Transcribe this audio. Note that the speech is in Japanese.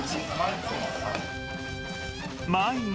毎日。